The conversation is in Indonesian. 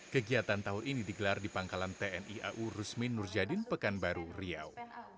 kegiatan tahun ini digelar di pangkalan tni au rusmin nurjadin pekanbaru riau